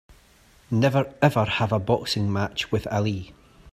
Never ever have a boxing match with Ali!